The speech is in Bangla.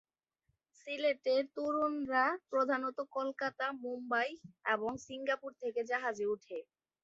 সিলেটের তরুণরা প্রধানত কলকাতা, মুম্বাই এবং সিঙ্গাপুর থেকে জাহাজে উঠে।